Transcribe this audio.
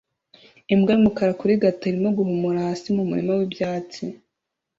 Imbwa yumukara kurigata irimo guhumura hasi mumurima wibyatsi